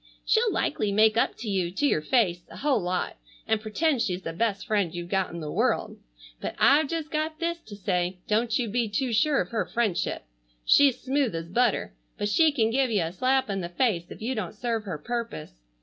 She'll likely make up to you, to your face, a whole lot, and pretend she's the best friend you've got in the world. But I've just got this to say, don't you be too sure of her friendship. She's smooth as butter, but she can give you a slap in the face if you don't serve her purpose.